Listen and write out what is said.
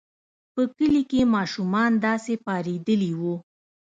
په کلي کې ماشومان داسې پارېدلي وو.